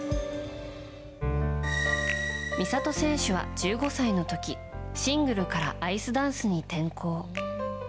美里選手は１５歳の時シングルからアイスダンスに転向。